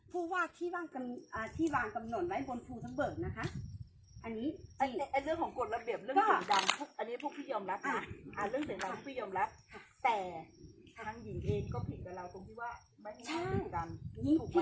พูดว่าที่วางกำหนดไว้บนภูมิกำเบิดนะครับอันนี้จริง